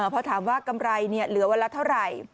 พอถามว่ากำไรเหลือวันละเท่าไหร่